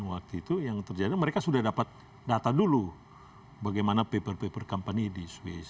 waktu itu yang terjadi mereka sudah dapat data dulu bagaimana paper paper company di swiss